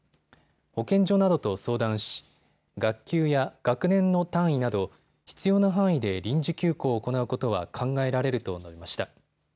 保健所などと相談し学級や学年の単位など必要な範囲で臨時休校を行うことは考えられると述べました。